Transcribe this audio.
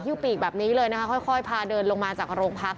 ปีกแบบนี้เลยนะคะค่อยพาเดินลงมาจากโรงพัก